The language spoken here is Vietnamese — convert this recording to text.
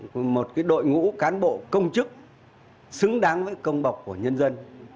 xây dựng một cái đội ngũ cán bộ công chức xứng đáng với công bọc của nhân dân